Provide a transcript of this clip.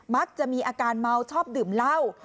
มักจะมีอาการเมาชอบดื่มเหล้า